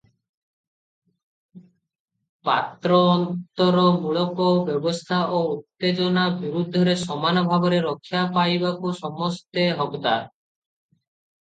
ପାତ୍ରଅନ୍ତରମୂଳକ ବ୍ୟବସ୍ଥା ଓ ଉତ୍ତେଜନା ବିରୁଦ୍ଧରେ ସମାନ ଭାବରେ ରକ୍ଷା ପାଇବାକୁ ସମସ୍ତେ ହକଦାର ।